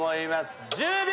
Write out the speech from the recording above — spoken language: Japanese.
１０秒前。